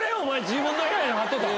自分の部屋に貼ってたん？